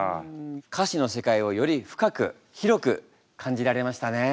歌詞の世界をより深く広く感じられましたね。